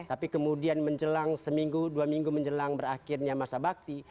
tapi kemudian menjelang seminggu dua minggu menjelang berakhirnya masa bakti